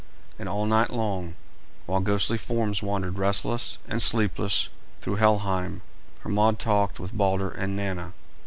And all night long, while ghostly forms wandered restless and sleepless through Helheim, Hermod talked with Balder and Nanna.